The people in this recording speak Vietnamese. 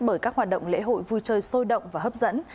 bởi các hoạt động lễ hội vui chơi sôi động và hấp dẫn